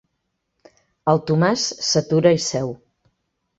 El Tomàs s'atura i seu.